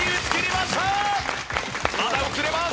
まだ映れます！